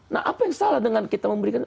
nah apa yang salah dengan kita memberikan